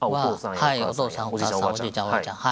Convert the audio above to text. お父さんやお母さんやおじいちゃんおばあちゃん。